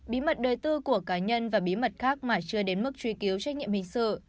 bí mật đời tư của cá nhân và bí mật khác mà chưa đến mức truy cứu trách nhiệm hình sự